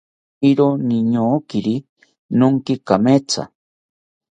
Iroka niñokiri noonki kemetha